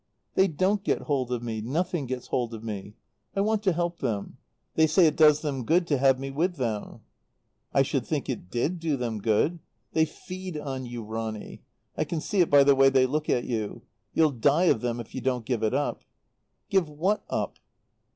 "They don't get hold of me nothing gets hold of me. I want to help them. They say it does them good to have me with them." "I should think it did do them good! They feed on you, Ronny. I can see it by the way they look at you. You'll die of them if you don't give it up." "Give what up?"